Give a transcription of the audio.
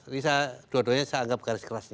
ini dua duanya saya anggap garis kelas nih